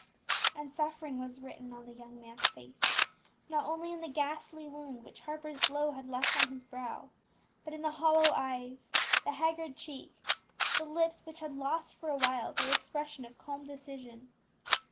And suffering was written on the young man's face; not only in the ghastly wound which Harper's blow had left on his brow, but in the hollow eyes, the haggard cheek, the lips which had lost for a while their expression of calm decision.